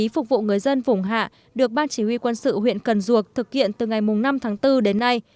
phục vụ người dân vùng hạ được ban chỉ huy quân sự huyện cần duộc thực hiện từ ngày năm tháng bốn đến nay